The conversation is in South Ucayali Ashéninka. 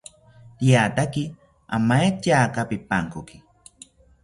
Riataki amaetyaka pipankoki